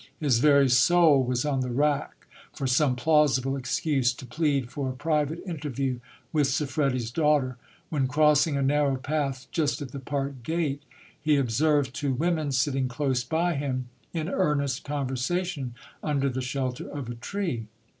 His very soul was on the rack for some plausible excuse to plead for a private interview with Siffredi's daughter, when, crossing a narrow path just at the park gate, he observed two women sitting close by him, in earnest conversation under the shelter of a tree.